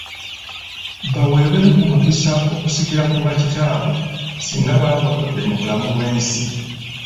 Baweebwe n'omukisa okusikira ku bakitabwe singa baba bavudde mu bulamu bw'ensi.